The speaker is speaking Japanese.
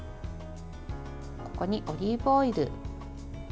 ここに、オリーブオイル。